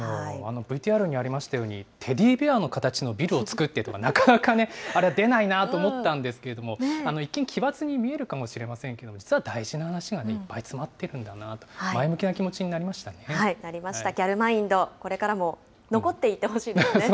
ＶＴＲにありましたように、テディベアの形のビルを作ってとか、なかなかね、あれ、出ないなと思ったんですけれども、一見、奇抜に見えるかもしれませんけれども、実は大事な話がいっぱい詰まってるんだなと、前向きな気持ちになりましたね。